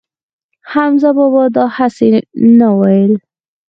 حمزه بابا دا هسې نه وييل